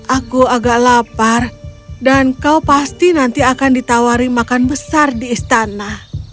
aku agak lapar dan kau pasti nanti akan ditawari makan besar di istana